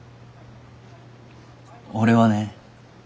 俺はね